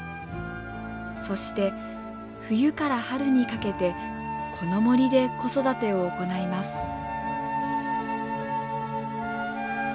そして冬から春にかけてこの森で子育てを行います。